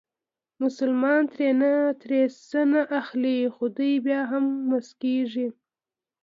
مسلمانان ترې څه نه اخلي خو دوی بیا هم موسکېږي.